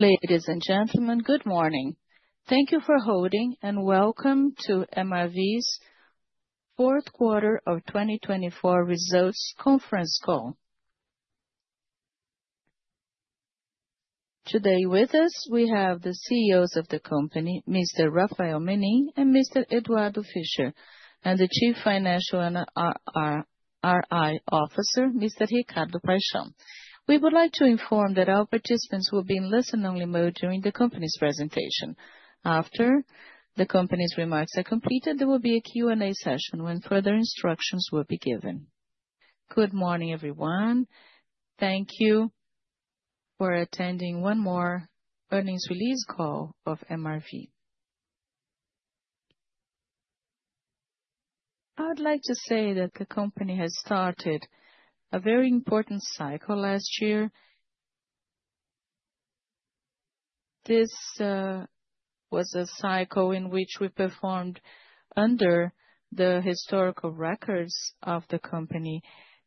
Ladies and gentlemen, good morning. Thank you for holding, and welcome to MRV's Q4 of 2024 Results Conference Call. Today, with us, we have the CEOs of the company, Mr. Rafael Menin and Mr. Eduardo Fischer, and the Chief Financial and IR Officer, Mr. Ricardo Paixão. We would like to inform that our participants will be in listening mode during the company's presentation. After the company's remarks are completed, there will be a Q&A session when further instructions will be given. Good morning, everyone. Thank you for attending one more earnings release call of MRV. I would like to say that the company has started a very important cycle last year. This was a cycle in which we performed under the historical records of the company,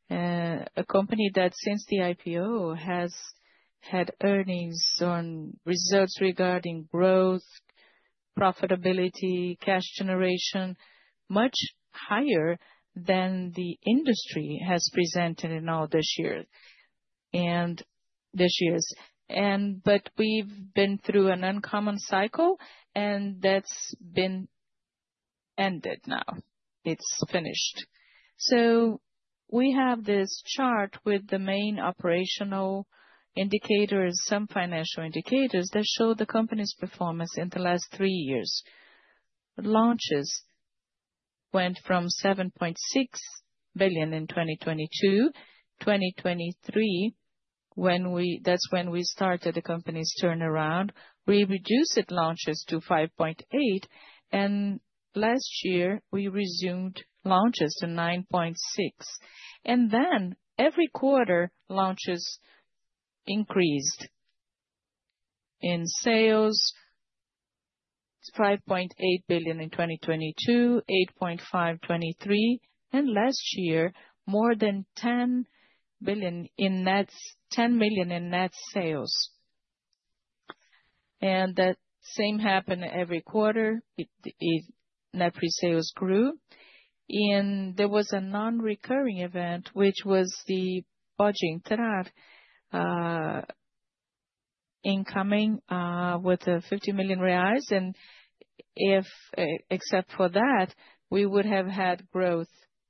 a company that since the IPO has had earnings on results regarding growth, profitability, cash generation much higher than the industry has presented in all this years, but we've been through an uncommon cycle, and that's been ended now. It's finished, so we have this chart with the main operational indicators, some financial indicators that show the company's performance in the last three years. Launches went from 7.6 billion in 2022. 2023, that's when we started the company's turnaround. We reduced launches to 5.8 billion, and last year we resumed launches to 9.6 billion. And then every quarter, launches increased in sales, BRL 5.8 billion in 2022, 8.5 billion in 2023, and last year more than 10 billion in net sales. And that same happened every quarter. Net pre-sales grew. And there was a non-recurring event, which was the bad debt provision with 50 million reais. And except for that, we would have had growth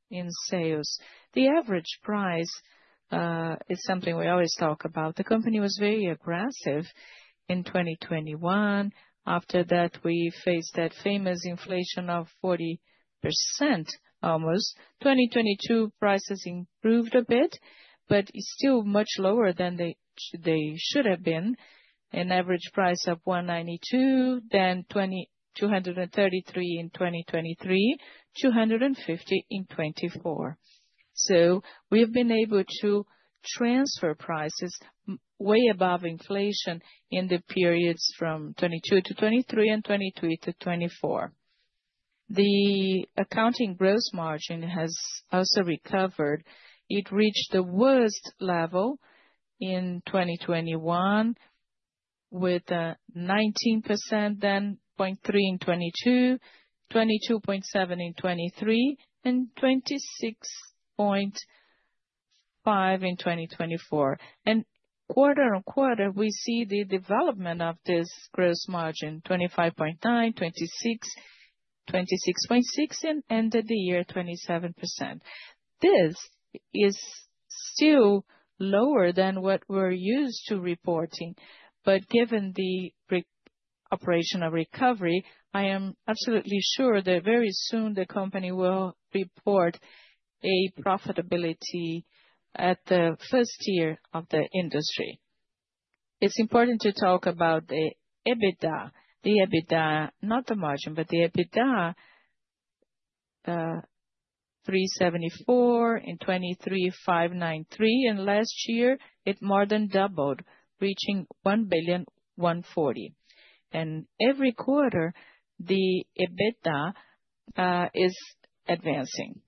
in sales. The average price is something we always talk about. The company was very aggressive in 2021. After that, we faced that famous inflation of 40% almost. 2022, prices improved a bit, but it's still much lower than they should have been. An average price of 192, then 233 in 2023, 250 in 2024. So we have been able to transfer prices way above inflation in the periods from 2022 to 2023 and 2023 to 2024. The accounting gross margin has also recovered. It reached the worst level in 2021 with 19%, then 20.3% in 2022, 22.7% in 2023, and 26.5% in 2024. And quarter on quarter, we see the development of this gross margin, 25.9%, 26.6%, and end of the year 27%. This is still lower than what we're used to reporting, but given the operational recovery, I am absolutely sure that very soon the company will report a profitability at the first year of the industry. It's important to talk about the EBITDA. The EBITDA, not the margin, but the EBITDA 374 million in 2023, 593 million. And last year, it more than doubled, reaching 1.140 billion. And every quarter, the EBITDA is advancing.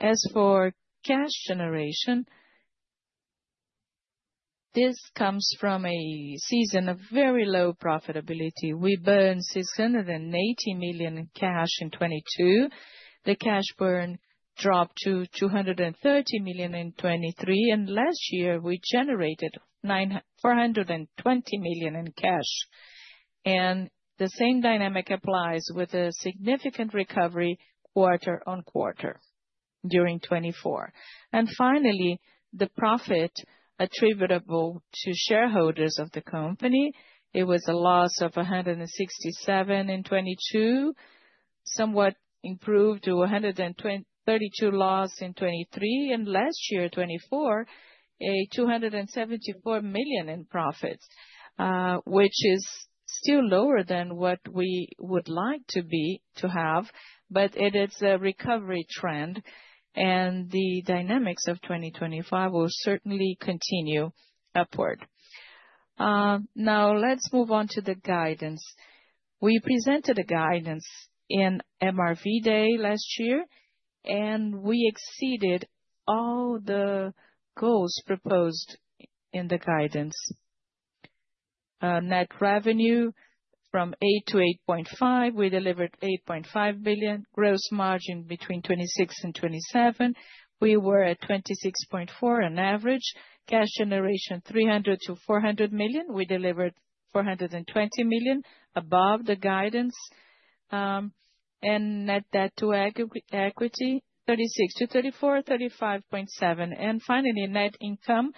As for cash generation, this comes from a season of very low profitability. We burned 680 million in cash in 2022. The cash burn dropped to 230 million in 2023, and last year, we generated 420 million in cash, and the same dynamic applies with a significant recovery quarter on quarter during 2024. And finally, the profit attributable to shareholders of the company was a loss of 167 million in 2022, somewhat improved to a 132 million loss in 2023. Last year, 2024, 274 million in profits, which is still lower than what we would like to have, but it is a recovery trend. The dynamics of 2025 will certainly continue upward. Now, let's move on to the guidance. We presented a guidance in MRV Day last year, and we exceeded all the goals proposed in the guidance. Net revenue from 8-8.5 billion. We delivered 8.5 billion. Gross margin between 26%-27%. We were at 26.4% on average. Cash generation 300-400 million. We delivered 420 million above the guidance. Net debt to equity 0.36-0.34, 0.357. Finally, net income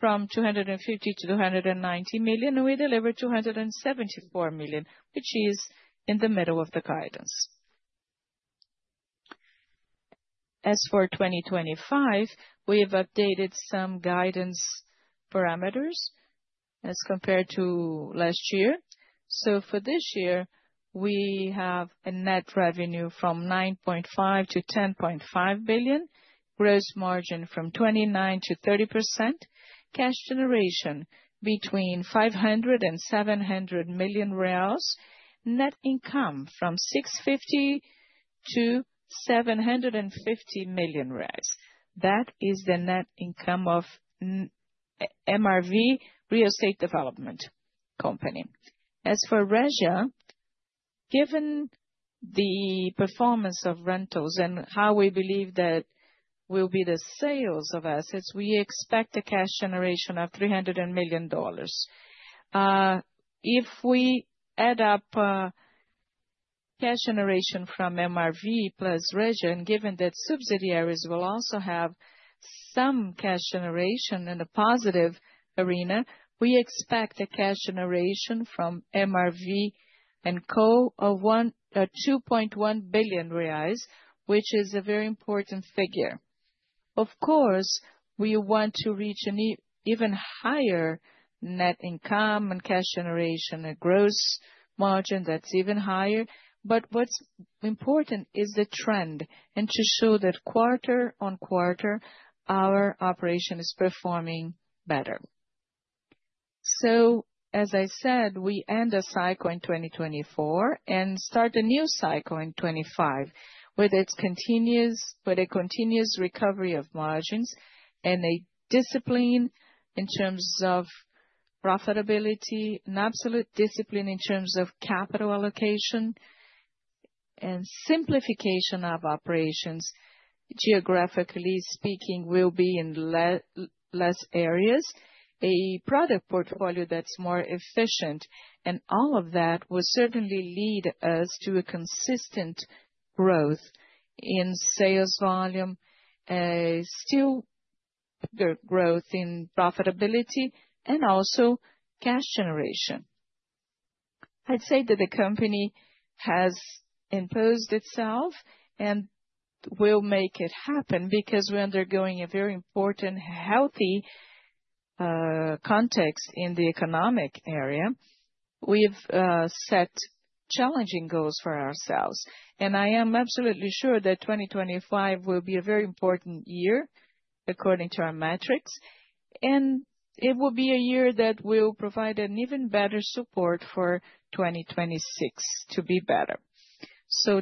from 250-290 million. We delivered 274 million, which is in the middle of the guidance. As for 2025, we have updated some guidance parameters as compared to last year. So for this year, we have a net revenue from 9.5 billion-10.5 billion. Gross margin from 29%-30%. Cash generation between 500 million reais and 700 million reais. Net income from 650 million-750 million reais. That is the net income of MRV, Real Estate Development Company. As for Resia, given the performance of rentals and how we believe that will be the sales of assets, we expect a cash generation of $300 million. If we add up cash generation from MRV plus Resia, and given that subsidiaries will also have some cash generation in the positive arena, we expect a cash generation from MRV&Co of 2.1 billion reais, which is a very important figure. Of course, we want to reach an even higher net income and cash generation, a gross margin that's even higher. What's important is the trend and to show that quarter on quarter, our operation is performing better. As I said, we end a cycle in 2024 and start a new cycle in 2025 with a continuous recovery of margins and a discipline in terms of profitability, an absolute discipline in terms of capital allocation and simplification of operations. Geographically speaking, we'll be in less areas, a product portfolio that's more efficient. All of that will certainly lead us to a consistent growth in sales volume, still growth in profitability, and also cash generation. I'd say that the company has imposed itself and will make it happen because we're undergoing a very important healthy context in the economic area. We've set challenging goals for ourselves. I am absolutely sure that 2025 will be a very important year according to our metrics. It will be a year that will provide an even better support for 2026 to be better.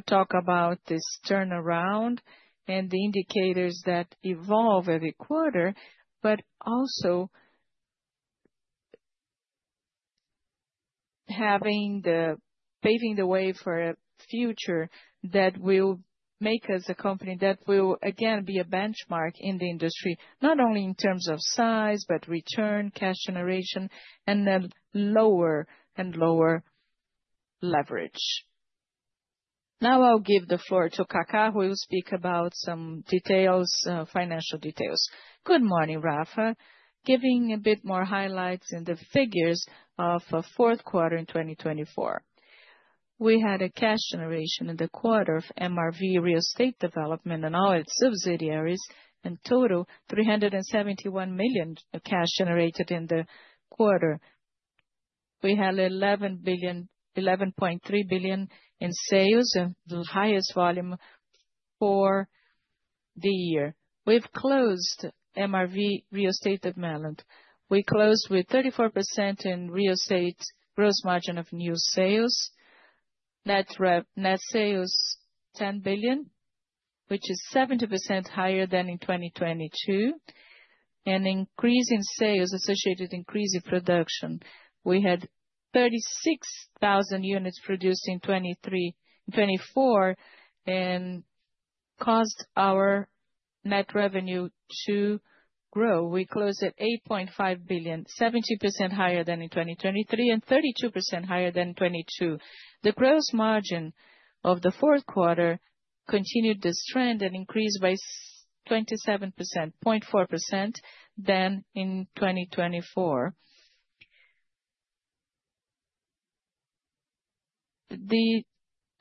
Talk about this turnaround and the indicators that evolve every quarter, but also paving the way for a future that will make us a company that will, again, be a benchmark in the industry, not only in terms of size, but return, cash generation, and then lower and lower leverage. Now I'll give the floor to Kaká, who will speak about some financial details. Good morning, Rafael. Giving a bit more highlights in the figures of Q4 in 2024. We had a cash generation in the quarter of MRV Real Estate Development and all its subsidiaries. In total, 371 million cash generated in the quarter. We had 11.3 billion in sales, the highest volume for the year. We've closed MRV Real Estate Development. We closed with 34% in real estate gross margin of new sales. Net sales, 10 billion, which is 70% higher than in 2022, and increasing sales associated with increasing production. We had 36,000 units produced in 2024 and caused our net revenue to grow. We closed at 8.5 billion, 70% higher than in 2023 and 32% higher than in 2022. The gross margin of the Q4 continued this trend and increased by 27%, 0.4% than in 2024. The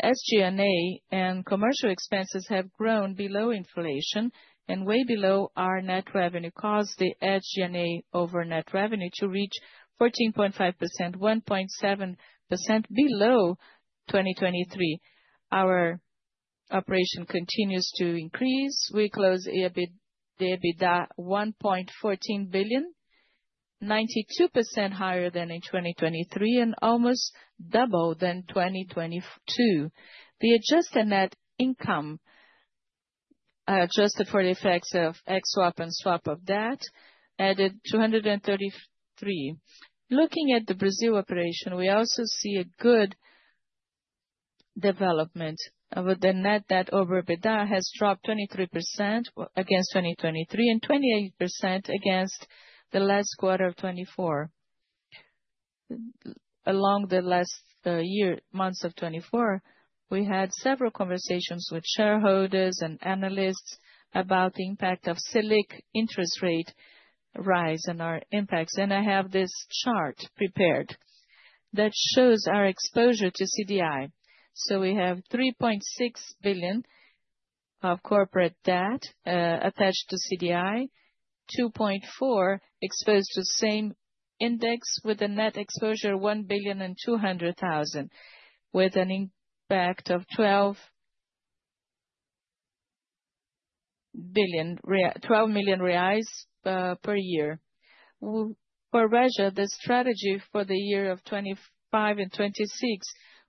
SG&A and commercial expenses have grown below inflation and way below our net revenue, caused the SG&A over net revenue to reach 14.5%, 1.7% below 2023. Our operation continues to increase. We closed EBITDA 1.14 billion, 92% higher than in 2023 and almost double than 2022. The adjusted net income adjusted for the effects of XSWAP and SWAP of debt added 233. Looking at the Brazil operation, we also see a good development. The net debt over EBITDA has dropped 23% against 2023 and 28% against the last quarter of 2024. Along the last months of 2024, we had several conversations with shareholders and analysts about the impact of Selic interest rate rise and our impacts, and I have this chart prepared that shows our exposure to CDI, so we have 3.6 billion of corporate debt attached to CDI, 2.4 billion exposed to same index with a net exposure of 1.2 billion, with an impact of 12 million reais per year. For Resia, the strategy for the year of 2025 and 2026,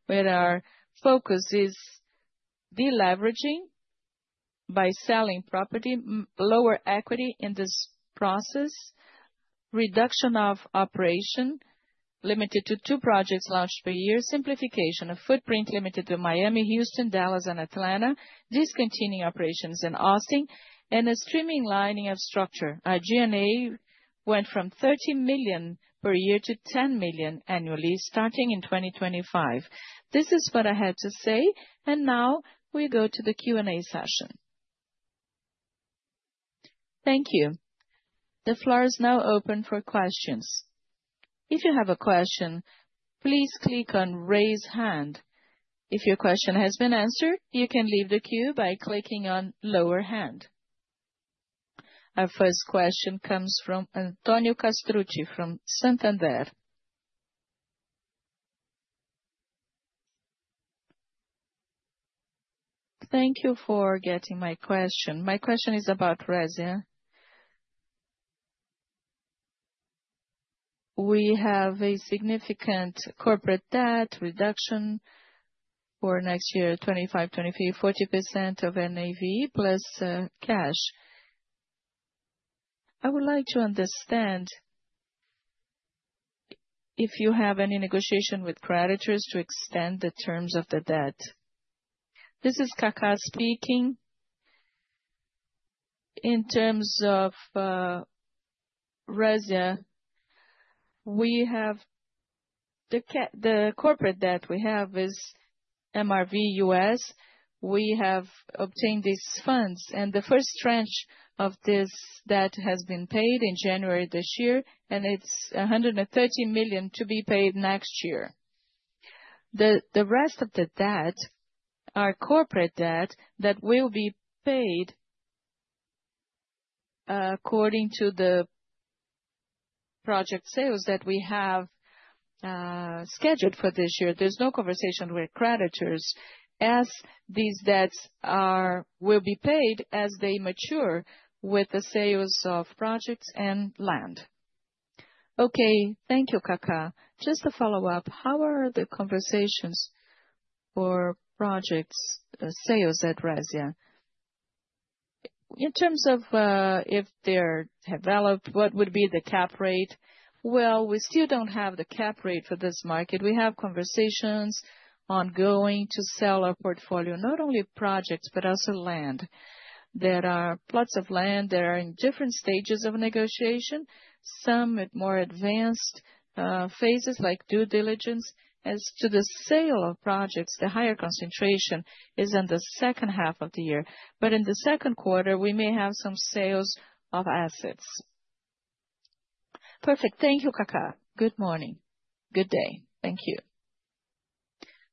where our focus is deleveraging by selling property, lower equity in this process, reduction of operation limited to two projects launched per year, simplification of footprint limited to Miami, Houston, Dallas, and Atlanta, discontinuing operations in Austin, and a streamlining of structure. Our G&A went from $30 million per year to $10 million annually starting in 2025.This is what I had to say, and now we go to the Q&A session. Thank you. The floor is now open for questions. If you have a question, please click on raise hand. If your question has been answered, you can leave the queue by clicking on lower hand. Our first question comes from Antonio Castrucci from Santander. Thank you for getting my question. My question is about Resia. We have a significant corporate debt reduction for next year, 25%, 23%, 40% of NAV plus cash. I would like to understand if you have any negotiation with creditors to extend the terms of the debt. This is Kaká speaking. In terms of Resia, we have the corporate debt we have is MRV US. We have obtained these funds. And the first tranche of this debt has been paid in January this year, and it's $130 million to be paid next year. The rest of the debt, our corporate debt that will be paid according to the project sales that we have scheduled for this year, there's no conversation with creditors as these debts will be paid as they mature with the sales of projects and land. Okay, thank you, Kaká. Just to follow up, how are the conversations for projects sales at Resia? In terms of if they're developed, what would be the cap rate? Well, we still don't have the cap rate for this market. We have conversations ongoing to sell our portfolio, not only projects, but also land. There are plots of land that are in different stages of negotiation, some at more advanced phases like due diligence. As to the sale of projects, the higher concentration is in the second half of the year. But in the Q2, we may have some sales of assets. Perfect. Thank you, Kaká. Good morning. Good day. Thank you.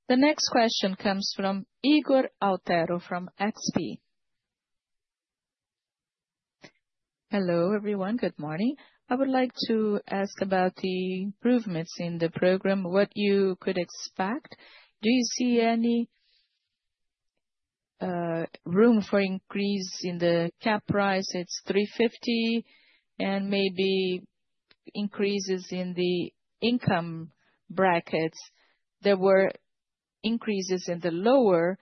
The next question comes from Ygor Altero from XP. Hello, everyone. Good morning. I would like to ask about the improvements in the program, what you could expect. Do you see any room for increase in the cap rate? It's 350 and maybe increases in the income brackets. There were increases in the lower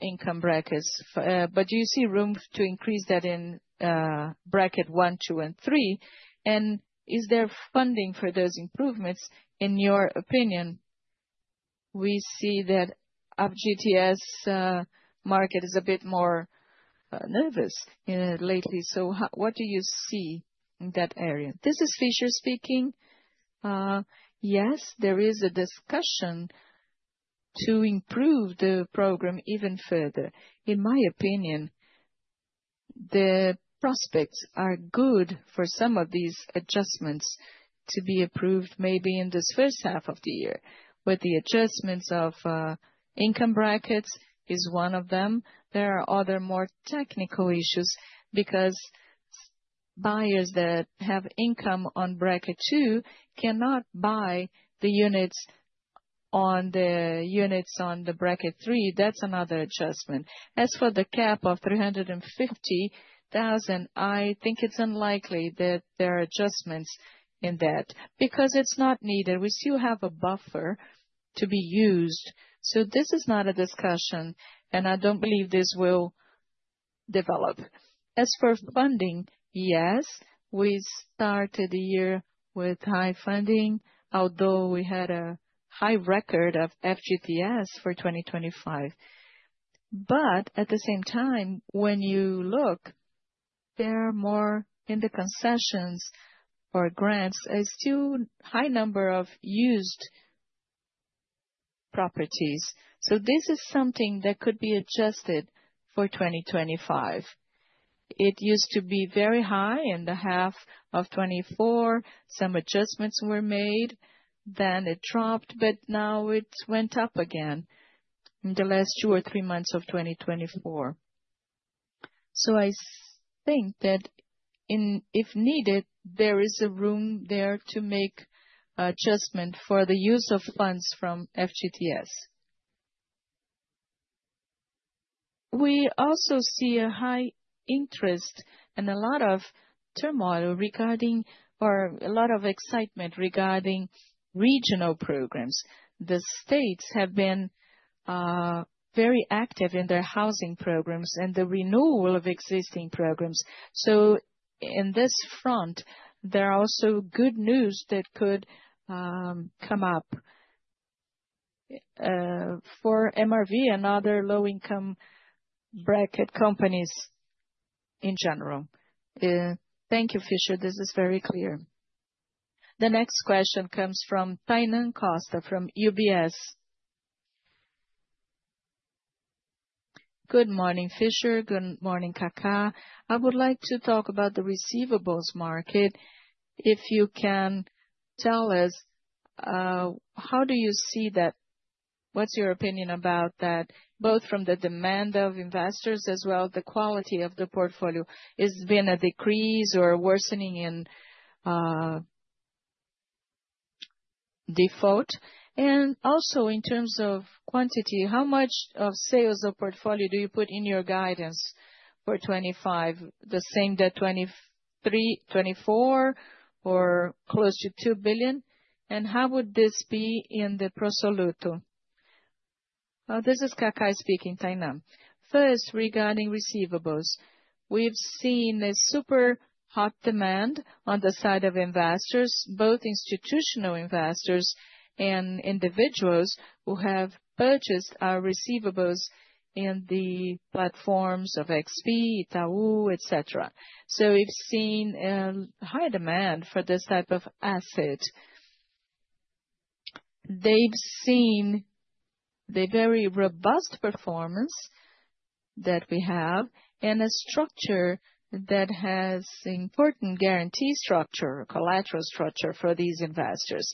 income brackets. But do you see room to increase that in bracket one, two, and three? And is there funding for those improvements in your opinion? We see that FGTS market is a bit more nervous lately. So what do you see in that area? This is Fischer speaking. Yes, there is a discussion to improve the program even further. In my opinion, the prospects are good for some of these adjustments to be approved maybe in this first half of the year, with the adjustments of income brackets is one of them. There are other more technical issues because buyers that have income on bracket two cannot buy the units on the bracket three. That's another adjustment. As for the cap of 350,000, I think it's unlikely that there are adjustments in that because it's not needed. We still have a buffer to be used. So this is not a discussion, and I don't believe this will develop. As for funding, yes, we started the year with high funding, although we had a high record of FGTS for 2025. But at the same time, when you look, there are more in the concessions or grants, a still high number of used properties. So this is something that could be adjusted for 2025. It used to be very high in the half of 2024. Some adjustments were made, then it dropped, but now it went up again in the last two or three months of 2024. So I think that if needed, there is a room there to make adjustment for the use of funds from FGTS. We also see a high interest and a lot of turmoil regarding or a lot of excitement regarding regional programs. The states have been very active in their housing programs and the renewal of existing programs. So in this front, there are also good news that could come up for MRV and other low-income bracket companies in general. Thank you, Fischer. This is very clear. The next question comes from Tainan Costa from UBS. Good morning, Fischer. Good morning, Kaká. I would like to talk about the receivables market. If you can tell us, how do you see that? What's your opinion about that, both from the demand of investors as well as the quality of the portfolio? Has there been a decrease or worsening in default? And also in terms of quantity, how much of sales of portfolio do you put in your guidance for 2025, the same that 2023, 2024, or close to 2 billion? And how would this be in the Pro Soluto? This is Kaká speaking, Tainan. First, regarding receivables, we've seen a super hot demand on the side of investors, both institutional investors and individuals who have purchased our receivables in the platforms of XP, Itaú, etc. So we've seen high demand for this type of asset. They've seen the very robust performance that we have and a structure that has important guarantee structure, collateral structure for these investors.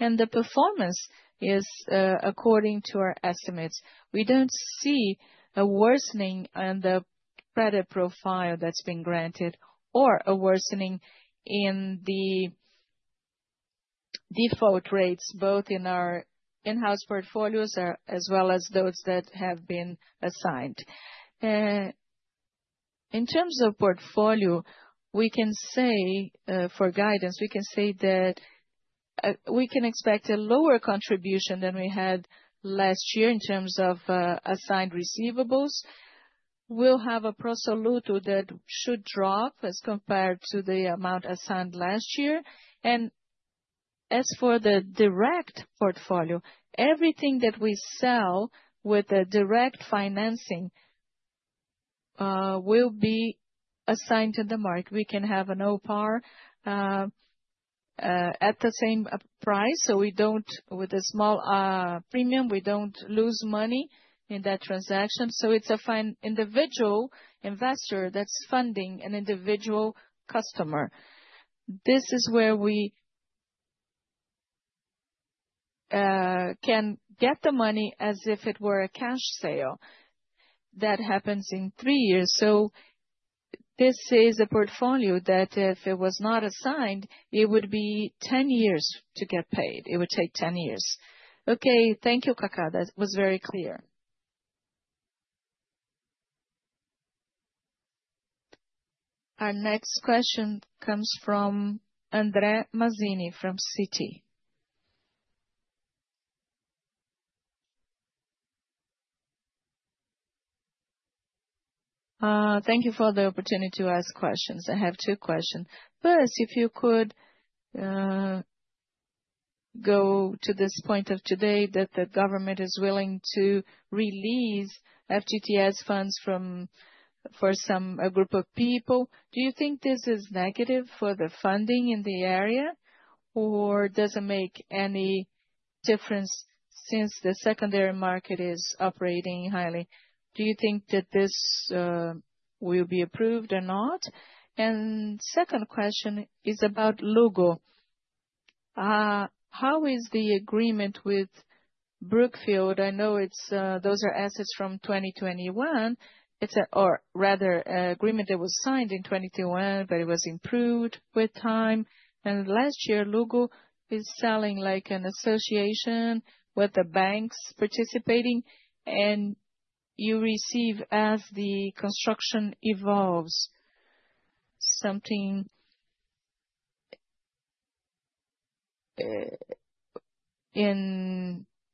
And the performance is, according to our estimates, we don't see a worsening on the credit profile that's been granted or a worsening in the default rates, both in our in-house portfolios as well as those that have been assigned. In terms of portfolio, we can say for guidance, we can say that we can expect a lower contribution than we had last year in terms of assigned receivables. We'll have a Pro Soluto that should drop as compared to the amount assigned last year. As for the direct portfolio, everything that we sell with the direct financing will be assigned to the market. We can have an OPAR at the same price, so with a small premium, we don't lose money in that transaction. So it's a fine individual investor that's funding an individual customer. This is where we can get the money as if it were a cash sale that happens in three years. So this is a portfolio that if it was not assigned, it would be 10 years to get paid. It would take 10 years. Okay, thank you, Kaká. That was very clear. Our next question comes from André Mazini from Citi. Thank you for the opportunity to ask questions. I have two questions. First, if you could go to this point of today that the government is willing to release FGTS funds for a group of people, do you think this is negative for the funding in the area or does it make any difference since the secondary market is operating highly? Do you think that this will be approved or not? And second question is about Luggo. How is the agreement with Brookfield? I know those are assets from 2021. It's a, or rather, an agreement that was signed in 2021, but it was improved with time. And last year, Luggo is selling like an association with the banks participating, and you receive as the construction evolves. So,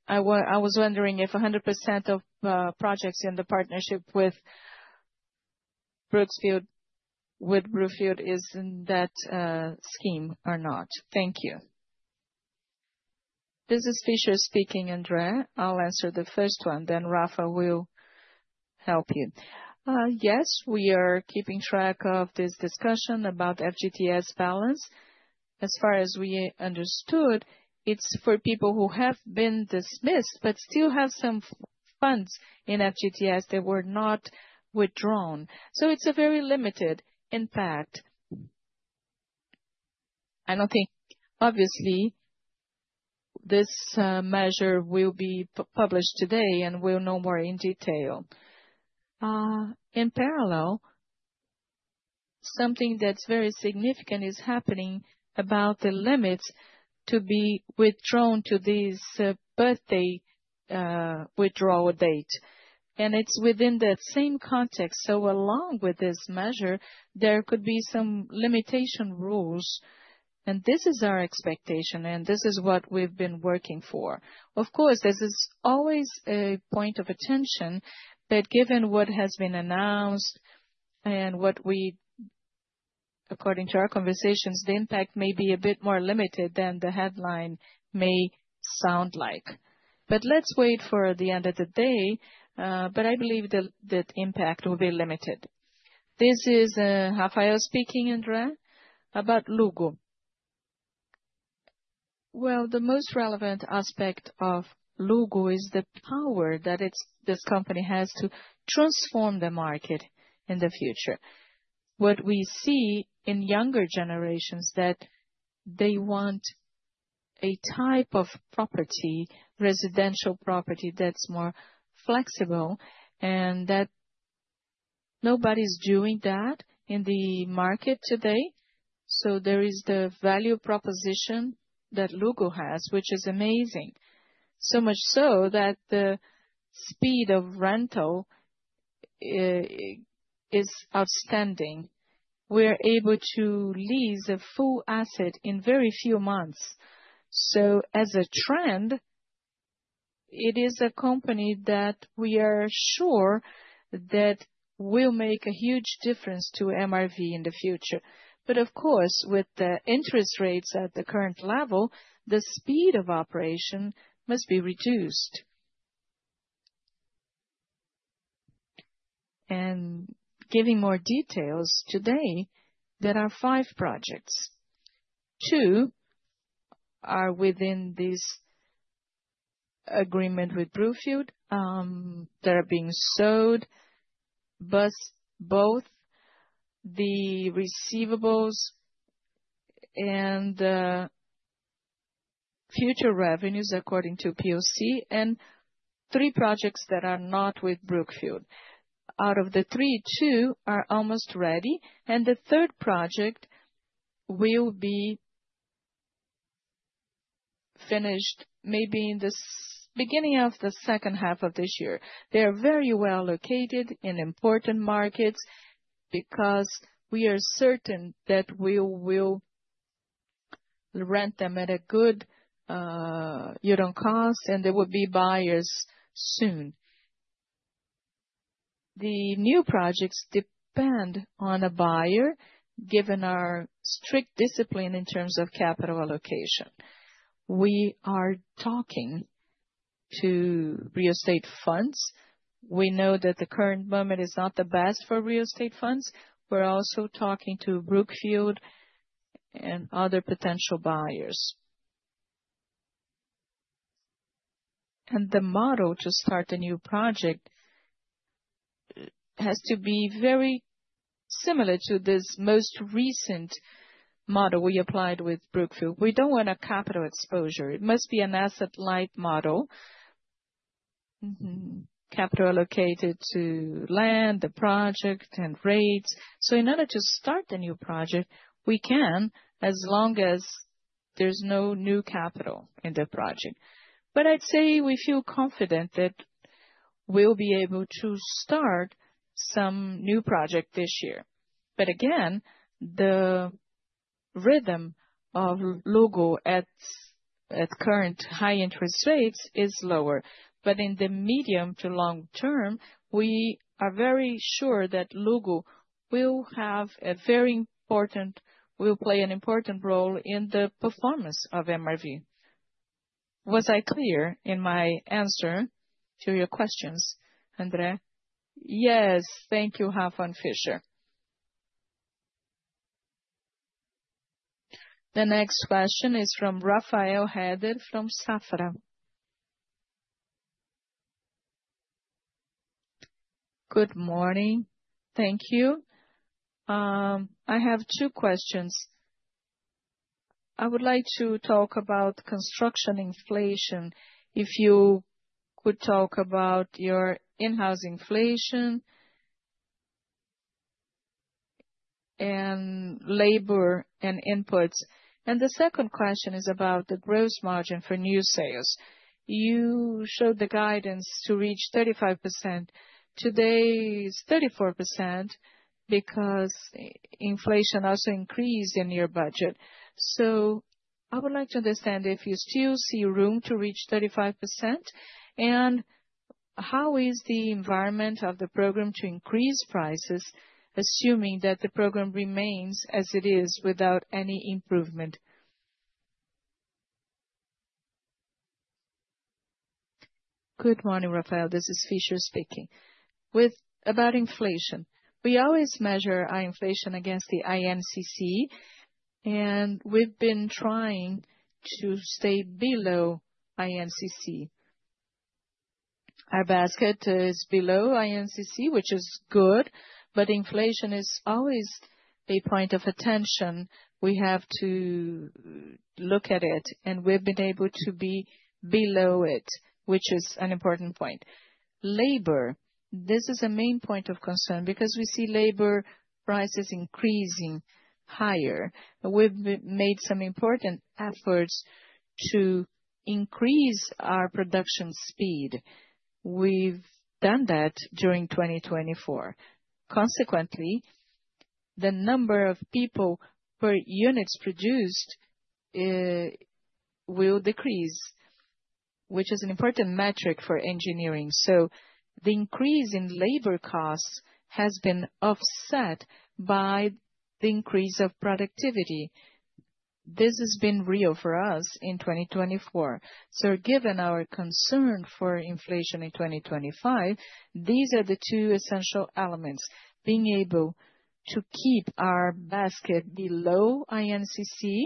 I was wondering if 100% of projects in the partnership with Brookfield is in that scheme or not. Thank you. This is Fischer speaking, André. I'll answer the first one, then Rafael will help you. Yes, we are keeping track of this discussion about FGTS balance. As far as we understood, it's for people who have been dismissed but still have some funds in FGTS that were not withdrawn. So it's a very limited impact. I don't think, obviously, this measure will be published today and we'll know more in detail. In parallel, something that's very significant is happening about the limits to be withdrawn to this birthday withdrawal date. And it's within that same context. So along with this measure, there could be some limitation rules. And this is our expectation, and this is what we've been working for. Of course, this is always a point of attention, but given what has been announced and what we, according to our conversations, the impact may be a bit more limited than the headline may sound like, but let's wait for the end of the day, but I believe that impact will be limited. This is Rafael speaking, André, about Luggo, well, the most relevant aspect of Luggo is the power that this company has to transform the market in the future. What we see in younger generations is that they want a type of property, residential property that's more flexible, and that nobody's doing that in the market today, so there is the value proposition that Luggo has, which is amazing, so much so that the speed of rental is outstanding. We're able to lease a full asset in very few months. As a trend, it is a company that we are sure that will make a huge difference to MRV in the future. But of course, with the interest rates at the current level, the speed of operation must be reduced. Giving more details today, there are five projects. Two are within this agreement with Brookfield. They are being sold both the receivables and future revenues according to POC, and three projects that are not with Brookfield. Out of the three, two are almost ready, and the third project will be finished maybe in the beginning of the second half of this year. They are very well located in important markets because we are certain that we will rent them at a good unit cost, and there will be buyers soon. The new projects depend on a buyer given our strict discipline in terms of capital allocation. We are talking to real estate funds. We know that the current moment is not the best for real estate funds. We're also talking to Brookfield and other potential buyers. And the model to start a new project has to be very similar to this most recent model we applied with Brookfield. We don't want a capital exposure. It must be an asset-light model, capital allocated to land, the project, and rates. So in order to start the new project, we can, as long as there's no new capital in the project. But I'd say we feel confident that we'll be able to start some new project this year. But again, the rhythm of Luggo at current high interest rates is lower. But in the medium to long term, we are very sure that Luggo will have a very important role. It will play an important role in the performance of MRV. Was I clear in my answer to your questions, André? Yes. Thank you, Rafael and Fischer. The next question is from Rafael Haddad from Safra. Good morning. Thank you. I have two questions. I would like to talk about construction inflation, if you could talk about your in-house inflation and labor and inputs. And the second question is about the gross margin for new sales. You showed the guidance to reach 35%. Today is 34% because inflation also increased in your budget. So I would like to understand if you still see room to reach 35%, and how is the environment of the program to increase prices, assuming that the program remains as it is without any improvement? Good morning, Rafael. This is Fischer speaking. With about inflation, we always measure our inflation against the INCC, and we've been trying to stay below INCC. Our basket is below INCC, which is good, but inflation is always a point of attention. We have to look at it, and we've been able to be below it, which is an important point. Labor, this is a main point of concern because we see labor prices increasing higher. We've made some important efforts to increase our production speed. We've done that during 2024. Consequently, the number of people per unit produced will decrease, which is an important metric for engineering. So the increase in labor costs has been offset by the increase of productivity. This has been real for us in 2024. Given our concern for inflation in 2025, these are the two essential elements: being able to keep our basket below INCC.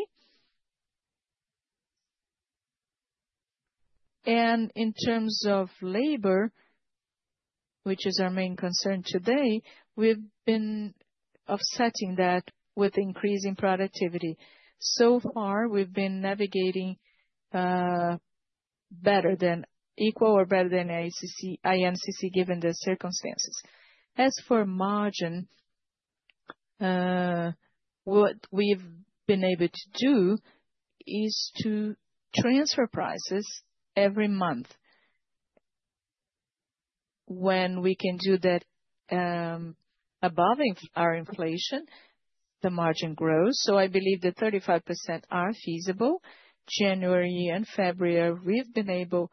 In terms of labor, which is our main concern today, we've been offsetting that with increasing productivity. So far, we've been navigating better than equal or better than INCC given the circumstances. As for margin, what we've been able to do is to transfer prices every month. When we can do that above our inflation, the margin grows. I believe the 35% are feasible. January and February, we've been able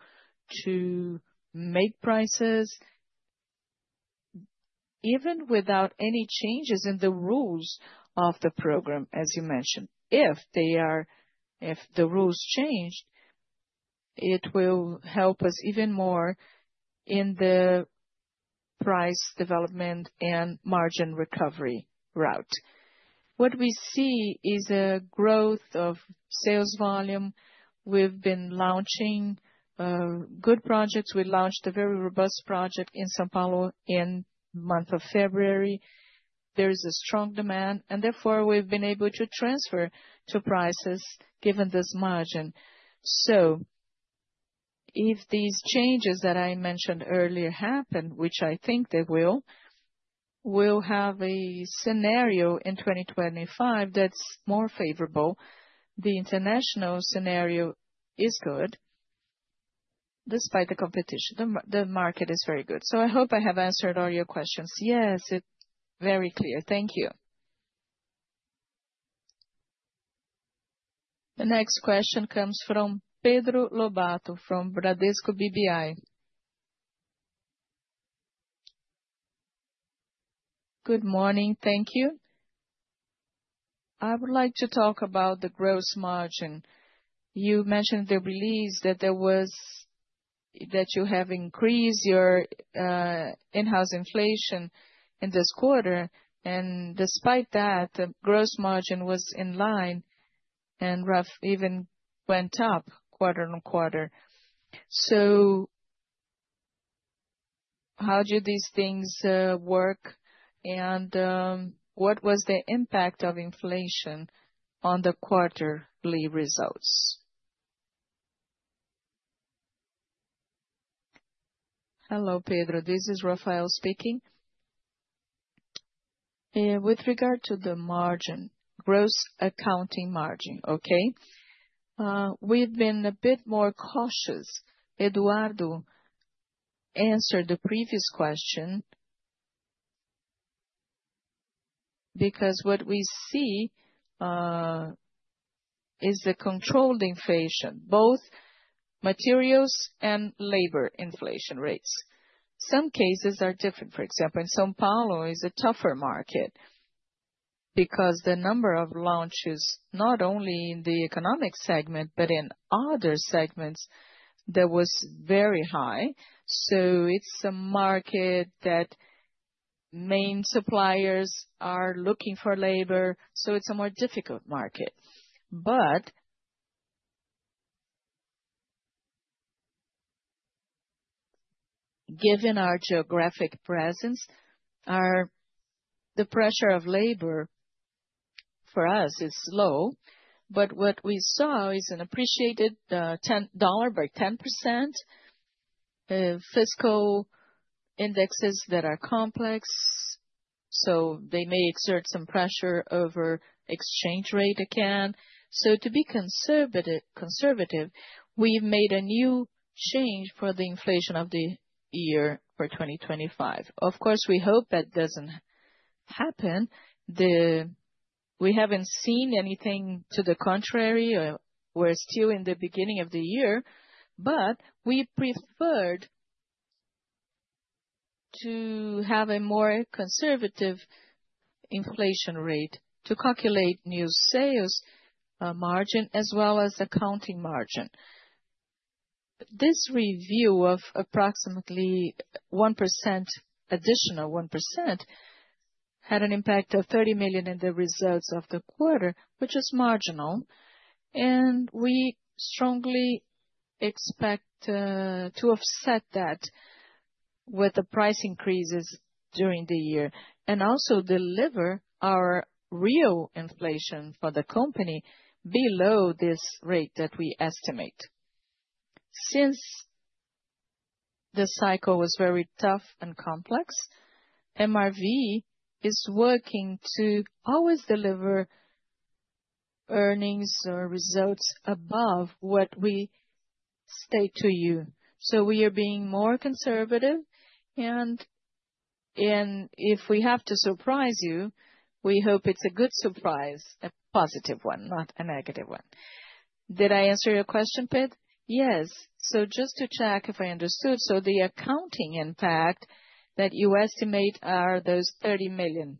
to make prices even without any changes in the rules of the program, as you mentioned. If the rules change, it will help us even more in the price development and margin recovery route. What we see is a growth of sales volume. We've been launching good projects. We launched a very robust project in São Paulo in the month of February. There is a strong demand, and theREVore, we've been able to transfer to prices given this margin. So if these changes that I mentioned earlier happen, which I think they will, we'll have a scenario in 2025 that's more favorable. The international scenario is good despite the competition. The market is very good. So I hope I have answered all your questions. Yes, it's very clear. Thank you. The next question comes from Pedro Lobato from Bradesco BBI. Good morning. Thank you. I would like to talk about the gross margin. You mentioned the release that you have increased your in-house inflation in this quarter, and despite that, the gross margin was in line and even went up quarter on quarter. So how do these things work, and what was the impact of inflation on the quarterly results? Hello, Pedro. This is Rafael speaking. With regard to the margin, gross accounting margin, okay, we've been a bit more cautious. Eduardo answered the previous question because what we see is the controlled inflation, both materials and labor inflation rates. Some cases are different. For example, in São Paulo, it is a tougher market because the number of launches not only in the economic segment but in other segments was very high. So it's a market that main suppliers are looking for labor, so it's a more difficult market. But given our geographic presence, the pressure of labor for us is low. But what we saw is an appreciated dollar by 10%. Fiscal indexes that are complex, so they may exert some pressure over exchange rate again. To be conservative, we've made a new change for the inflation of the year for 2025. Of course, we hope that doesn't happen. We haven't seen anything to the contrary. We're still in the beginning of the year, but we pREVerred to have a more conservative inflation rate to calculate new sales margin as well as accounting margin. This review of approximately 1%, additional 1%, had an impact of 30 million in the results of the quarter, which is marginal. And we strongly expect to offset that with the price increases during the year and also deliver our real inflation for the company below this rate that we estimate. Since the cycle was very tough and complex, MRV is working to always deliver earnings or results above what we state to you. We are being more conservative. If we have to surprise you, we hope it's a good surprise, a positive one, not a negative one. Did I answer your question, Pitt? Yes. Just to check if I understood, the accounting impact that you estimate are those 30 million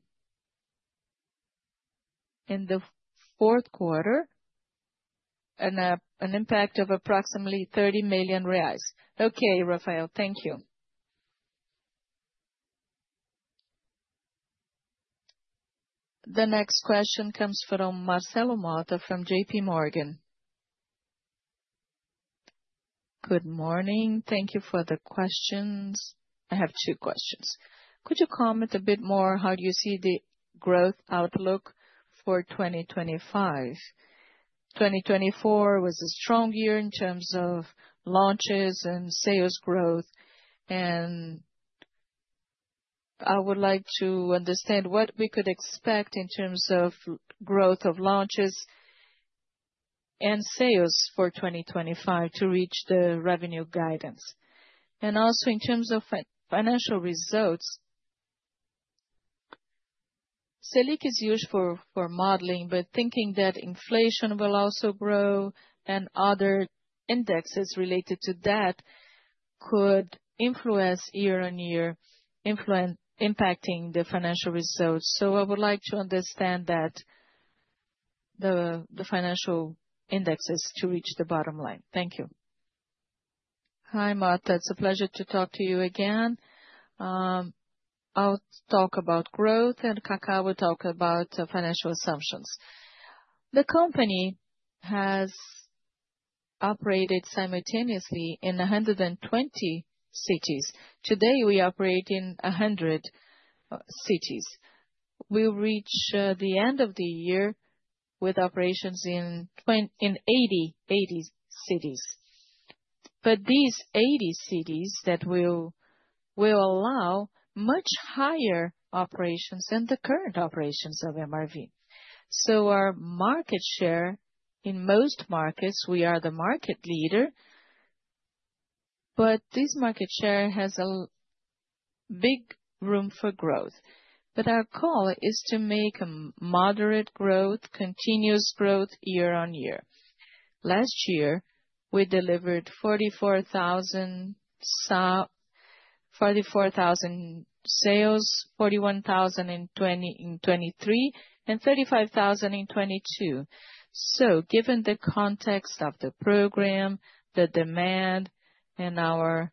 in the Q4, an impact of approximately 30 million reais. Okay, Rafael, thank you. The next question comes from Marcelo Motta from JP Morgan. Good morning. Thank you for the questions. I have two questions. Could you comment a bit more on how do you see the growth outlook for 2025? 2024 was a strong year in terms of launches and sales growth. I would like to understand what we could expect in terms of growth of launches and sales for 2025 to reach the revenue guidance. Also in terms of financial results, Selic is used for modeling, but thinking that inflation will also grow and other indexes related to that could influence year on year, impacting the financial results. So I would like to understand that the financial indexes to reach the bottom line. Thank you. Hi, Motta. It's a pleasure to talk to you again. I'll talk about growth, and Kaká will talk about financial assumptions. The company has operated simultaneously in 120 cities. Today, we operate in 100 cities. We'll reach the end of the year with operations in 80 cities. But these 80 cities that will allow much higher operations than the current operations of MRV. So our market share in most markets, we are the market leader, but this market share has a big room for growth. But our call is to make a moderate growth, continuous growth year on year. Last year, we delivered 44,000 sales, 41,000 in 2023, and 35,000 in 2022. So given the context of the program, the demand, and our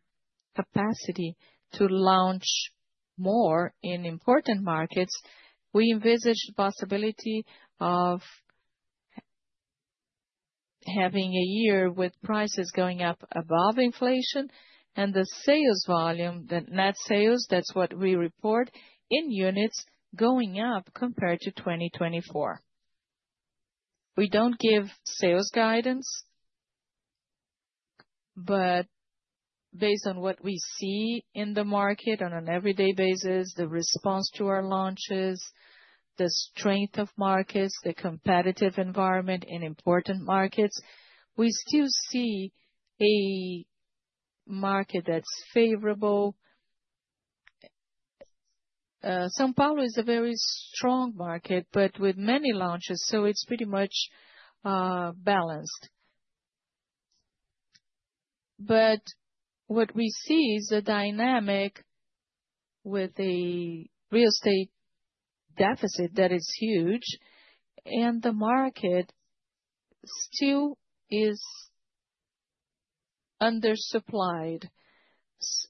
capacity to launch more in important markets, we envisage the possibility of having a year with prices going up above inflation and the sales volume, the net sales, that's what we report in units, going up compared to 2024. We don't give sales guidance, but based on what we see in the market on an everyday basis, the response to our launches, the strength of markets, the competitive environment in important markets, we still see a market that's favorable. São Paulo is a very strong market, but with many launches, so it's pretty much balanced. But what we see is a dynamic with a real estate deficit that is huge, and the market still is undersupplied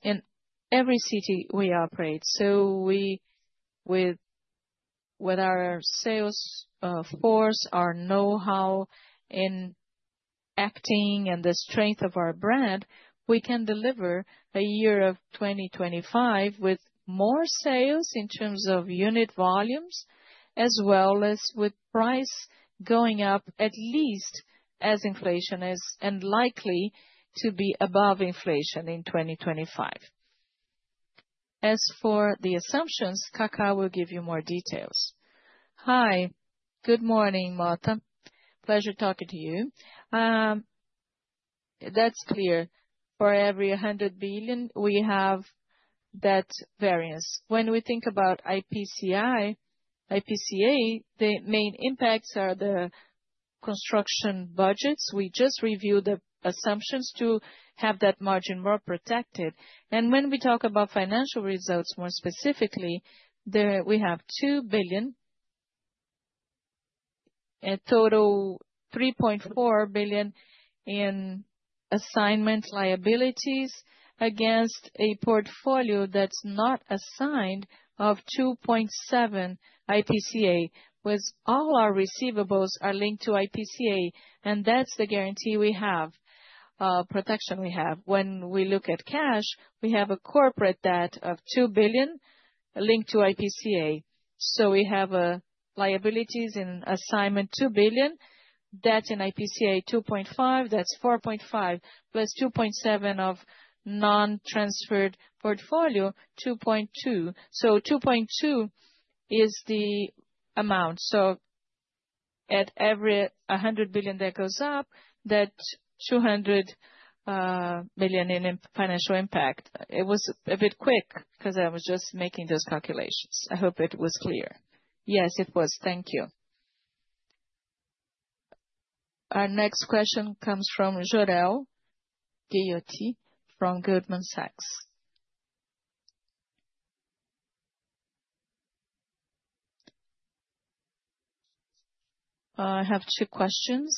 in every city we operate. With our sales force, our know-how in acting, and the strength of our brand, we can deliver a year of 2025 with more sales in terms of unit volumes, as well as with price going up at least as inflation is and likely to be above inflation in 2025. As for the assumptions, Kaká will give you more details. Hi. Good morning, Motta. Pleasure talking to you. That's clear. For every 100 billion, we have that variance. When we think about IPCA, IPCA, the main impacts are the construction budgets. We just reviewed the assumptions to have that margin more protected. When we talk about financial results more specifically, we have 2 billion, a total 3.4 billion in assignment liabilities against a portfolio that's not assigned of 2.7 billion IPCA, with all our receivables linked to IPCA. That's the guarantee we have, protection we have. When we look at cash, we have a corporate debt of 2 billion linked to IPCA. So we have liabilities in assignment 2 billion. That's in IPCA 2.5. That's 4.5 plus 2.7 of non-transferred portfolio, 2.2. So 2.2 is the amount. So at every 100 billion that goes up, that's 200 billion in financial impact. It was a bit quick because I was just making those calculations. I hope it was clear. Yes, it was. Thank you. Our next question comes from Jorel Guilloty from Goldman Sachs. I have two questions.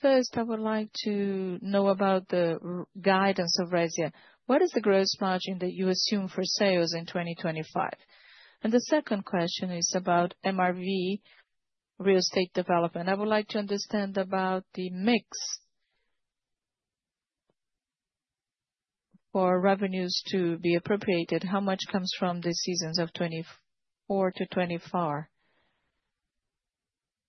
First, I would like to know about the guidance of Resia. What is the gross margin that you assume for sales in 2025? And the second question is about MRV, real estate development. I would like to understand about the mix for revenues to be appropriated. How much comes from the launches of 2024 to 2025,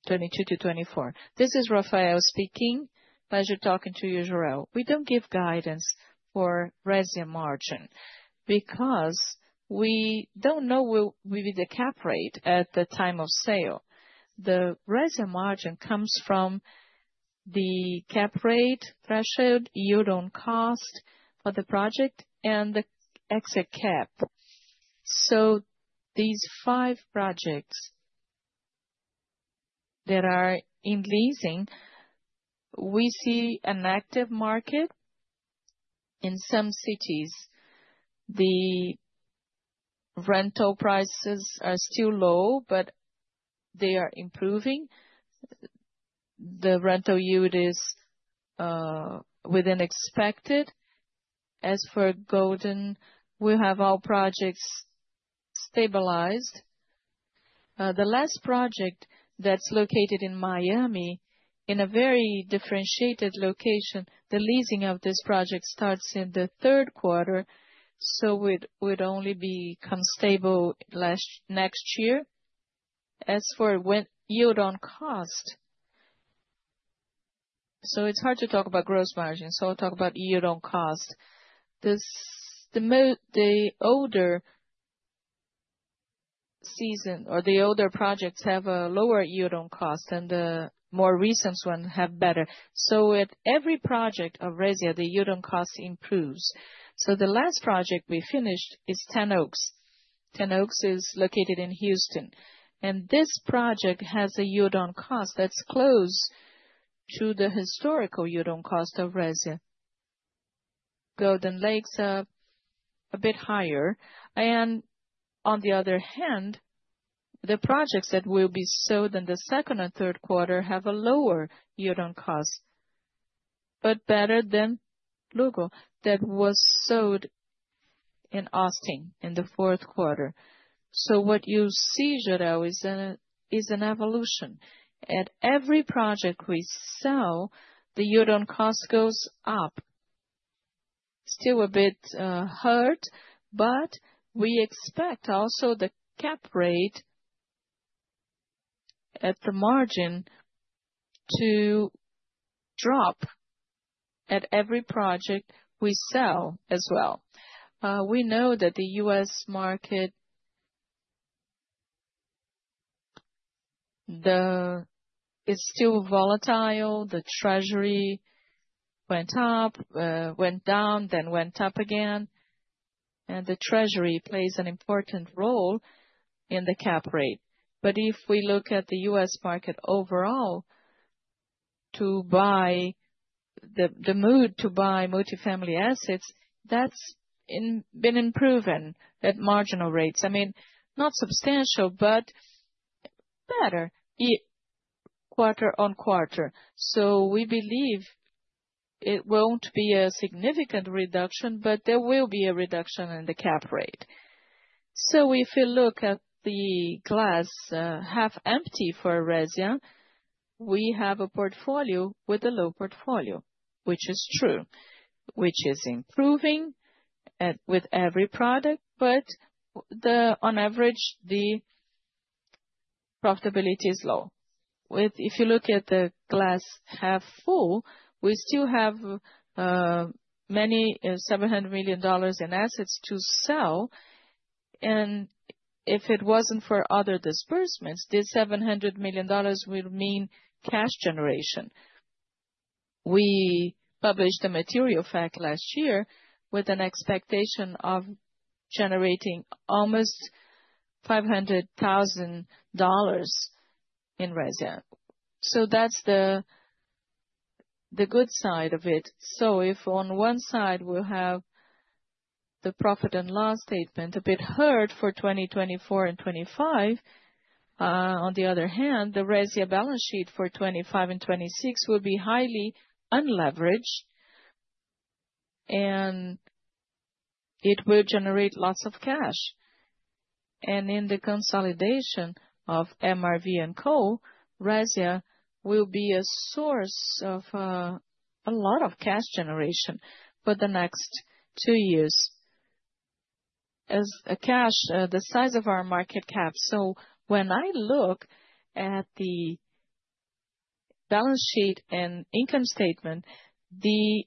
2022 to 2024? This is Rafael speaking. Pleasure talking to you, Jorel. We don't give guidance for Resia margin because we don't know with the cap rate at the time of sale. The Resia margin comes from the cap rate, threshold, yield on cost for the project, and the exit cap. So these five projects that are in leasing, we see an active market in some cities. The rental prices are still low, but they are improving. The rental yield is within expected. As for Golden, we have all projects stabilized. The last project that's located in Miami in a very differentiated location, the leasing of this project starts in the Q3, so it would only become stable next year. As for yield on cost, so it's hard to talk about gross margin, so I'll talk about yield on cost. The older season or the older projects have a lower yield on cost, and the more recent ones have better. So at every project of Resia, the yield on cost improves. So the last project we finished is Ten Oaks. Ten Oaks is located in Houston. And this project has a yield on cost that's close to the historical yield on cost of Resia. Golden Glades are a bit higher. And on the other hand, the projects that will be sold in the second and Q3 have a lower yield on cost, but better than Luggo, that was sold in Austin in the Q4. So what you see, Jorel, is an evolution. At every project we sell, the yield on cost goes up. Still a bit hurt, but we expect also the cap rate at the margin to drop at every project we sell as well. We know that the US market is still volatile. The Treasury went up, went down, then went up again. The Treasury plays an important role in the cap rate. If we look at the US market overall, the mood to buy multifamily assets, that's been improved marginally. I mean, not substantial, but better quarter on quarter. We believe it won't be a significant reduction, but there will be a reduction in the cap rate. If you look at the glass half empty for Resia, we have a low cap rate portfolio, which is true, which is improving with every product, but on average, the profitability is low. If you look at the glass half full, we still have $700 million in assets to sell. If it wasn't for other disbursements, this $700 million would mean cash generation. We published a material fact last year with an expectation of generating almost $500,000 in Resia. So that's the good side of it. So if on one side we have the profit and loss statement a bit hurt for 2024 and 2025, on the other hand, the Resia balance sheet for 2025 and 2026 will be highly unleveraged, and it will generate lots of cash. And in the consolidation of MRV&Co, Resia will be a source of a lot of cash generation for the next two years. The size of our market cap. So when I look at the balance sheet and income statement, the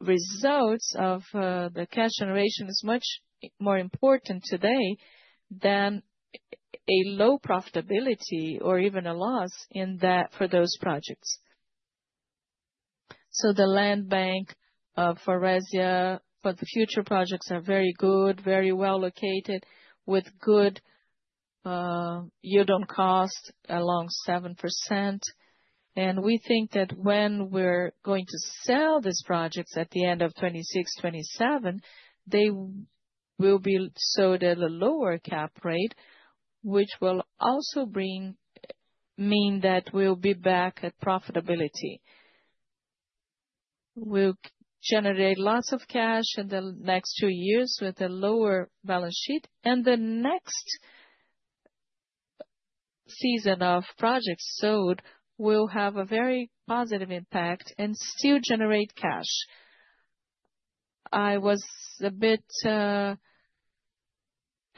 results of the cash generation are much more important today than a low profitability or even a loss for those projects. The land bank for Resia for the future projects are very good, very well located, with good yield on cost along 7%. We think that when we're going to sell these projects at the end of 2026, 2027, they will be sold at a lower cap rate, which will also mean that we'll be back at profitability. We'll generate lots of cash in the next two years with a lower balance sheet. The next season of projects sold will have a very positive impact and still generate cash. I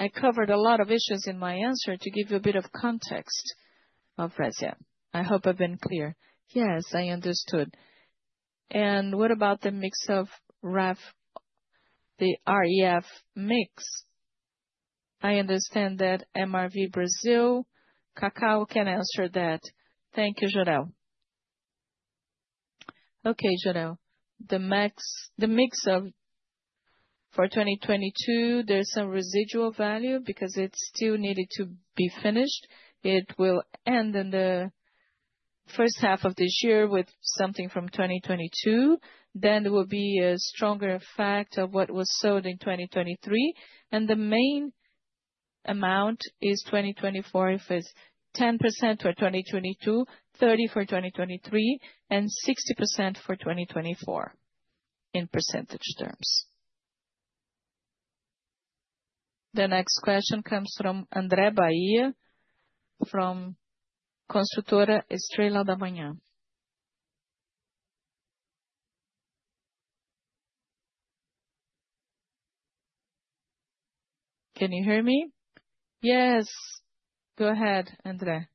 covered a lot of issues in my answer to give you a bit of context of Resia. I hope I've been clear. Yes, I understood. What about the mix of REV, the REV mix? I understand that MRV Brazil, Kaká can answer that. Thank you, Jorel. Okay, Jorel. The mix for 2022, there's some residual value because it still needed to be finished. It will end in the first half of this year with something from 2022. Then there will be a stronger effect of what was sold in 2023. And the main amount is 2024 if it's 10% for 2022, 30% for 2023, and 60% for 2024 in percentage terms. The next question comes from André Baía from Construtora Estrela da Manhã. Can you hear me? Yes. Go ahead, André.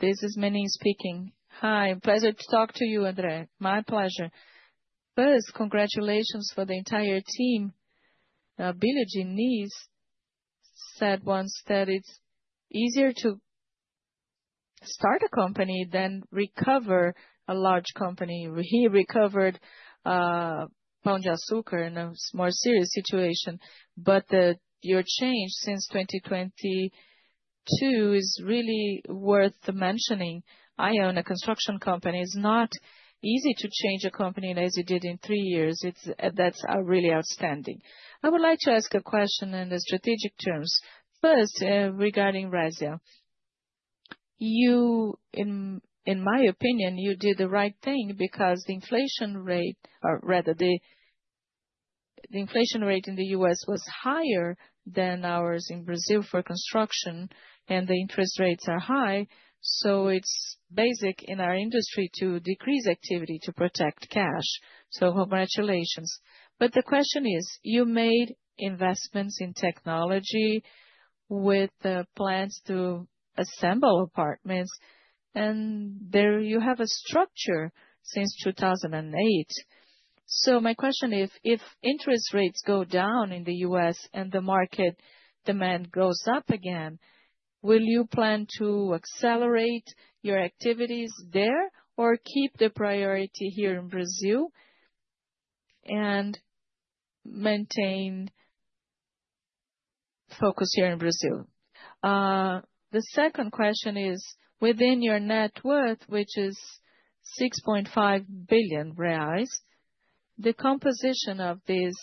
This is Menin speaking. Hi. Pleasure to talk to you, André. My pleasure. First, congratulations for the entire team. Abilio Diniz said once that it's easier to start a company than recover a large company. He recovered Pão de Açúcar in a more serious situation. But your change since 2022 is really worth mentioning. I own a construction company. It's not easy to change a company as you did in three years. That's really outstanding. I would like to ask a question in the strategic terms. First, regarding Resia, in my opinion, you did the right thing because the inflation rate, or rather the inflation rate in the US, was higher than ours in Brazil for construction, and the interest rates are high. So it's basic in our industry to decrease activity to protect cash. So congratulations. But the question is, you made investments in technology with plans to assemble apartments, and there you have a structure since 2008. So my question is, if interest rates go down in the US and the market demand goes up again, will you plan to accelerate your activities there or keep the priority here in Brazil and maintain focus here in Brazil? The second question is, within your net worth, which is 6.5 billion reais, the composition of this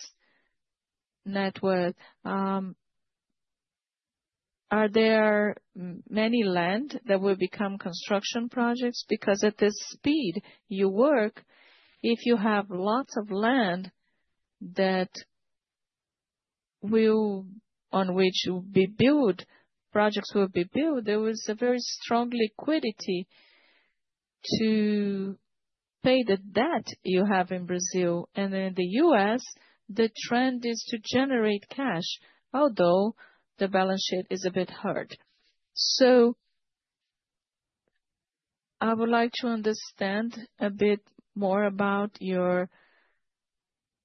net worth, are there many land that will become construction projects? Because at this speed you work, if you have lots of land on which projects will be built, there was a very strong liquidity to pay the debt you have in Brazil. And in the US, the trend is to generate cash, although the balance sheet is a bit hurt. So I would like to understand a bit more about your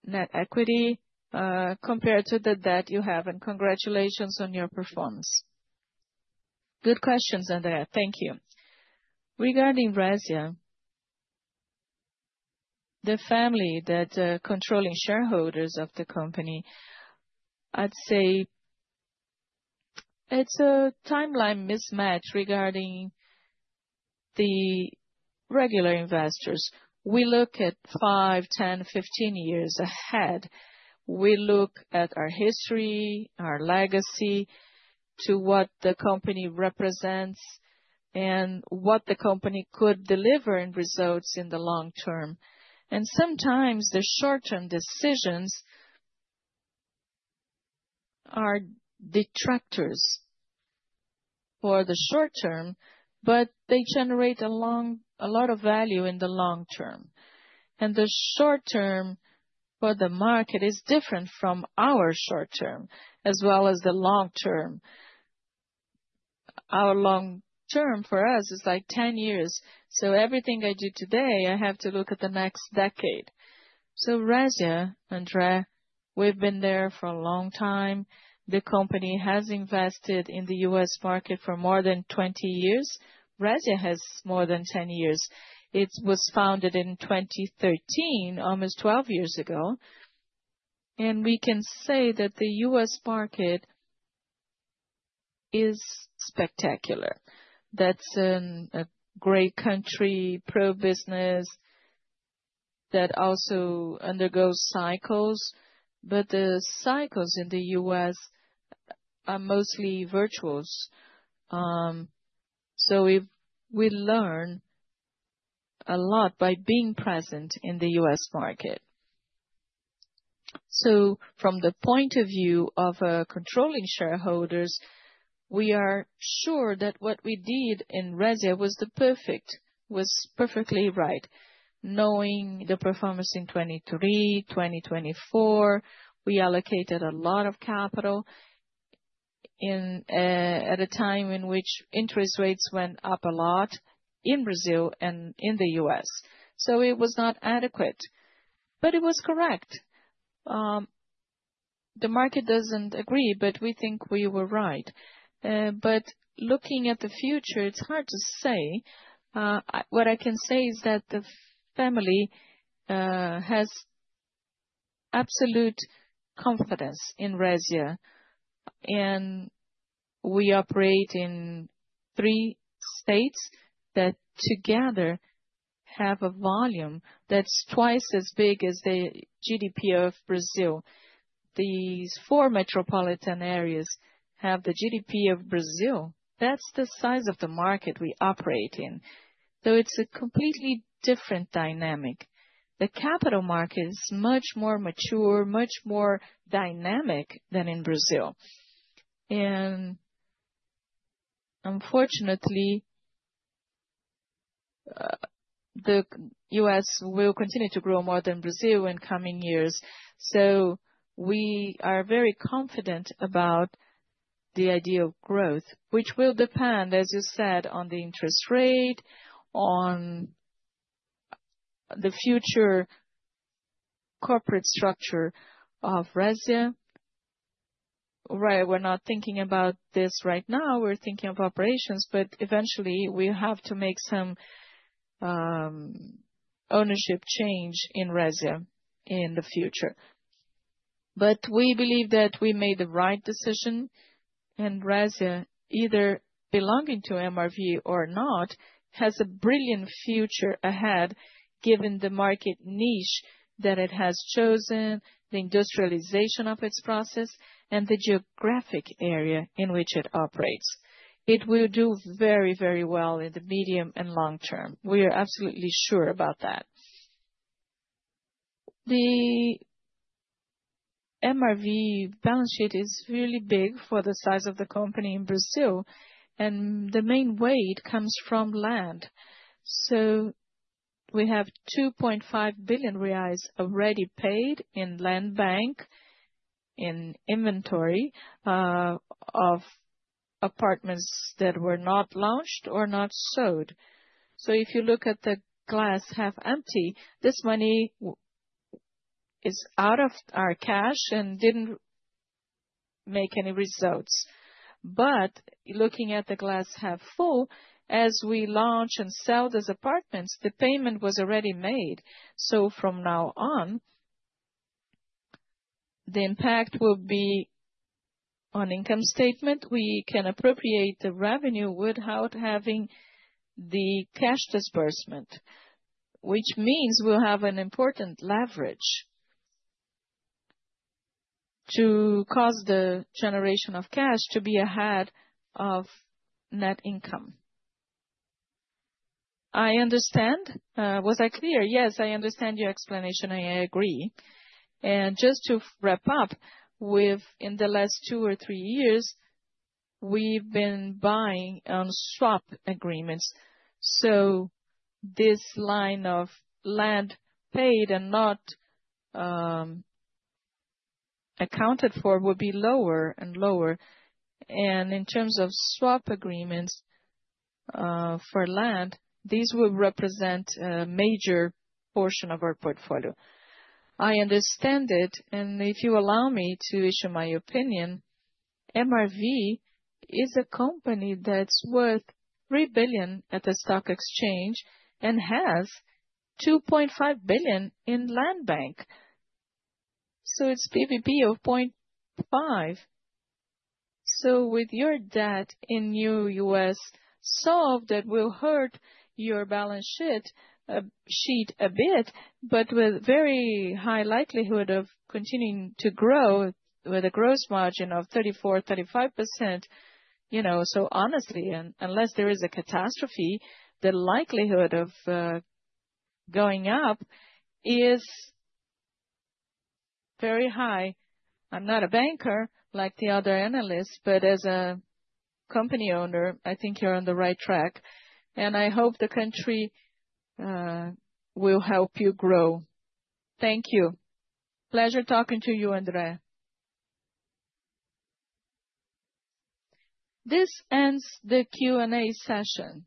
net equity compared to the debt you have. And congratulations on your performance. Good questions, André. Thank you. Regarding Resia, the family that is controlling shareholders of the company, I'd say it's a timeline mismatch regarding the regular investors. We look at five, 10, 15 years ahead. We look at our history, our legacy, to what the company represents, and what the company could deliver in results in the long term. And sometimes the short-term decisions are detractors for the short term, but they generate a lot of value in the long term. And the short term for the market is different from our short term, as well as the long term. Our long term for us is like 10 years. So everything I do today, I have to look at the next decade. So Resia, André, we've been there for a long time. The company has invested in the U.S. market for more than 20 years. Resia has more than 10 years. It was founded in 2013, almost 12 years ago. And we can say that the U.S. market is spectacular. That's a great country, pro-business, that also undergoes cycles. But the cycles in the U.S. are mostly virtuals. So we learn a lot by being present in the U.S. market. So from the point of view of controlling shareholders, we are sure that what we did in Resia was perfect, was perfectly right. Knowing the performance in 2023, 2024, we allocated a lot of capital at a time in which interest rates went up a lot in Brazil and in the U.S. So it was not adequate, but it was correct. The market doesn't agree, but we think we were right. But looking at the future, it's hard to say. What I can say is that the family has absolute confidence in Resia. And we operate in three states that together have a volume that's twice as big as the GDP of Brazil. These four metropolitan areas have the GDP of Brazil. That's the size of the market we operate in, so it's a completely different dynamic. The capital market is much more mature, much more dynamic than in Brazil, and unfortunately, the U.S. will continue to grow more than Brazil in coming years, so we are very confident about the idea of growth, which will depend, as you said, on the interest rate, on the future corporate structure of Resia. Right, we're not thinking about this right now. We're thinking of operations, but eventually we have to make some ownership change in Resia in the future, but we believe that we made the right decision, and Resia, either belonging to MRV or not, has a brilliant future ahead given the market niche that it has chosen, the industrialization of its process, and the geographic area in which it operates. It will do very, very well in the medium and long term. We are absolutely sure about that. The MRV balance sheet is really big for the size of the company in Brazil, and the main weight comes from land, so we have 2.5 billion reais already paid in land bank, in inventory of apartments that were not launched or not sold, so if you look at the glass half empty, this money is out of our cash and didn't make any results, but looking at the glass half full, as we launched and sold those apartments, the payment was already made, so from now on, the impact will be on income statement. We can appropriate the revenue without having the cash disbursement, which means we'll have an important leverage to cause the generation of cash to be ahead of net income. I understand. Was I clear? Yes, I understand your explanation. I agree. Just to wrap up, in the last two or three years, we've been buying on swap agreements. So this line of land paid and not accounted for will be lower and lower. And in terms of swap agreements for land, these will represent a major portion of our portfolio. I understand it. And if you allow me to issue my opinion, MRV is a company that's worth 3 billion at the stock exchange and has 2.5 billion in land bank. So it's P/BV of 0.5. So with your debt in the U.S., so that will hurt your balance sheet a bit, but with very high likelihood of continuing to grow with a gross margin of 34%-35%. So honestly, unless there is a catastrophe, the likelihood of going up is very high. I'm not a banker like the other analysts, but as a company owner, I think you're on the right track. And I hope the country will help you grow. Thank you. Pleasure talking to you, André. This ends the Q&A session.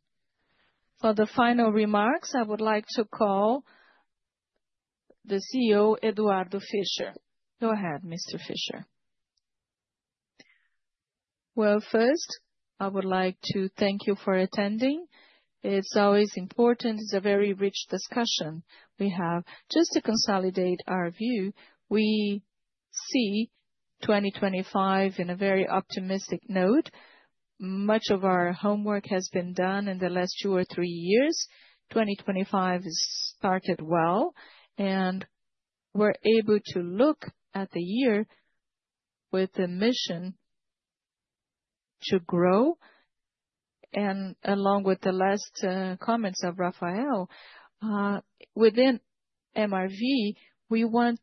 For the final remarks, I would like to call the CEO, Eduardo Fischer. Go ahead, Mr. Fischer. Well, first, I would like to thank you for attending. It's always important. It's a very rich discussion we have. Just to consolidate our view, we see 2025 in a very optimistic note. Much of our homework has been done in the last two or three years. 2025 has started well. And we're able to look at the year with a mission to grow. And along with the last comments of Rafael, within MRV, we want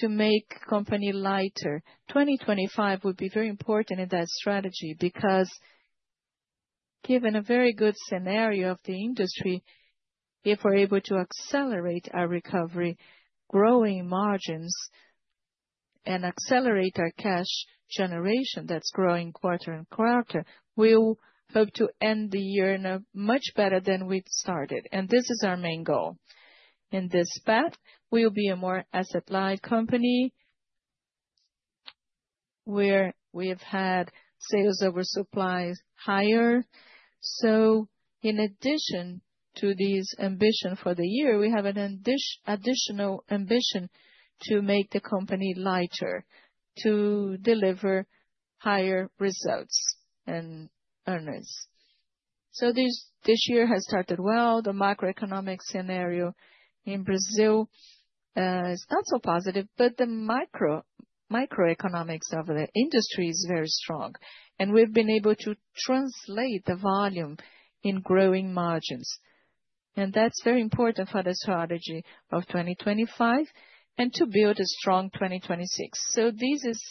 to make the company lighter. 2025 would be very important in that strategy because given a very good scenario of the industry, if we're able to accelerate our recovery, growing margins, and accelerate our cash generation that's growing quarter and quarter, we hope to end the year much better than we started, and this is our main goal. In this path, we will be a more asset-light company where we have had sales oversupply higher, so in addition to this ambition for the year, we have an additional ambition to make the company lighter, to deliver higher results and earnings, so this year has started well. The macroeconomic scenario in Brazil is not so positive, but the microeconomics of the industry is very strong, and we've been able to translate the volume in growing margins, and that's very important for the strategy of 2025 and to build a strong 2026, so this is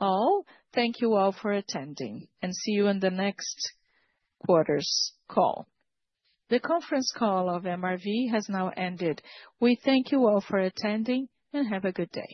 all. Thank you all for attending. And see you in the next quarter's call. The conference call of MRV has now ended. We thank you all for attending and have a good day.